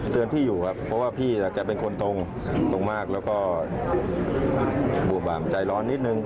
พี่อยู่ครับเพราะว่าพี่แกเป็นคนตรงตรงมากแล้วก็บวบามใจร้อนนิดนึง